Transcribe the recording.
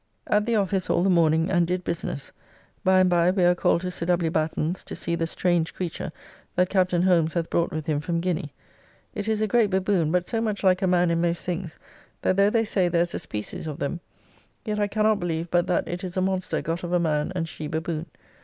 At the office all the morning and did business; by and by we are called to Sir W. Batten's to see the strange creature that Captain Holmes hath brought with him from Guiny; it is a great baboon, but so much like a man in most things, that though they say there is a species of them, yet I cannot believe but that it is a monster got of a man and she baboon.